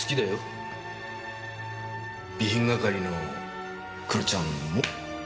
備品係の黒ちゃんも。